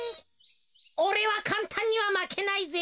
おれはかんたんにはまけないぜ。